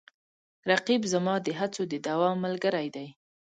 رقیب زما د هڅو د دوام ملګری دی